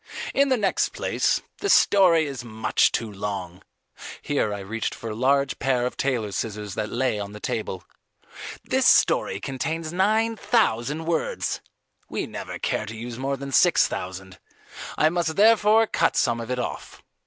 "In the next place, the story is much too long." Here I reached for a large pair of tailor's scissors that lay on the table. "This story contains nine thousand words. We never care to use more than six thousand. I must therefore cut some of it off."